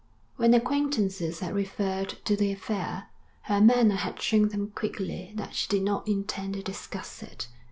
When acquaintances had referred to the affair, her manner had shown them quickly that she did not intend to discuss it.